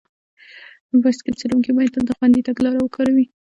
بایسکل چلونکي باید تل د خوندي تګ لارې وکاروي.